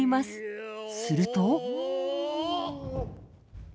すると。